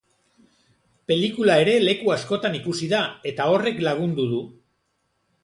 Pelikula ere leku askotan ikusi da, eta horrek lagundu du.